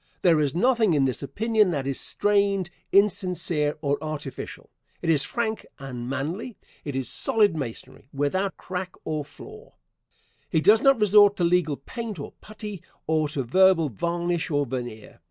There is nothing in this opinion that is strained, insincere, or artificial. It is frank and manly. It is solid masonry, without crack or flaw. He does not resort to legal paint or putty, or to verbal varnish or veneer.